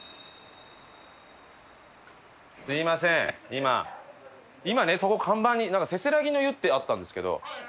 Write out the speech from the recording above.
今今ねそこ看板になんか「せせらぎの湯」ってあったんですけど。